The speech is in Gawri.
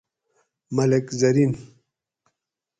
ملک زرین